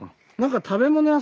食べ物屋？